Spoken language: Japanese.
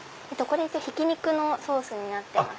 ひき肉のソースになってます。